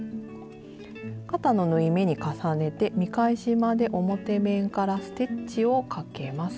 肩の縫い目に重ねて見返しまで表面からステッチをかけます。